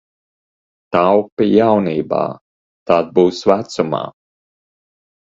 Taupi jaunībā, tad būs vecumā.